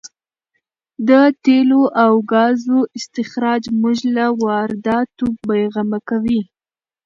د تېلو او ګازو استخراج موږ له وارداتو بې غمه کوي.